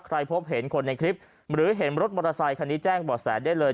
พบเห็นคนในคลิปหรือเห็นรถมอเตอร์ไซคันนี้แจ้งบ่อแสได้เลย